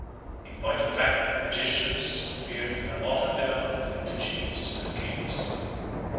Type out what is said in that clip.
In point of fact magicians appear to have often developed into chiefs and kings.